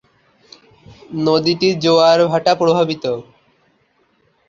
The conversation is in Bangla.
নদীটি জোয়ার ভাটা প্রভাবিত।